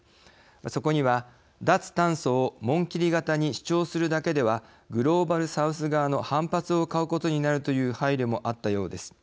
そこには、脱炭素を紋切り型に主張するだけではグローバル・サウス側の反発を買うことになるという配慮もあったようです。